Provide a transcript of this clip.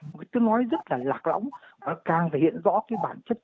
một cái chứa nói rất là lạc lõng và càng thể hiện rõ cái bản chất